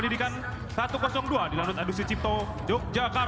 dan kemampuan terbuka